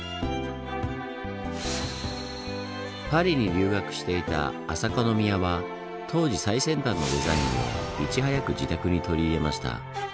パリに留学していた朝香宮は当時最先端のデザインをいち早く自宅に取り入れました。